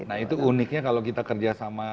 nah itu uniknya kalau kita kerjasama